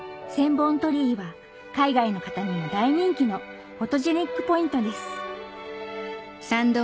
は海外の方にも大人気のフォトジェニックポイントです